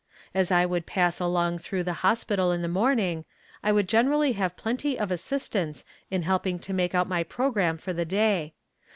As I would pass along through the hospital in the morning, I would generally have plenty of assistants in helping to make out my programme for the day.